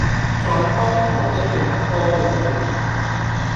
在康河的柔波裡